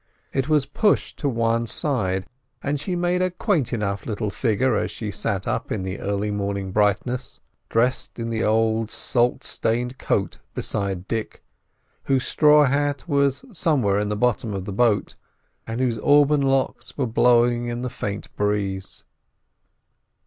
It was pushed to one side, and she made a quaint enough little figure as she sat up in the early morning brightness, dressed in the old salt stained coat beside Dick, whose straw hat was somewhere in the bottom of the boat, and whose auburn locks were blowing in the faint breeze.